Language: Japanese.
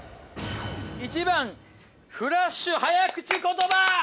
１番フラッシュ早口言葉。